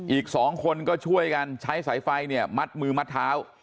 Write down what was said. อีก๒คนก็ช่วยกันใช้สายไฟเนี่ยมัดมือมัดเท้า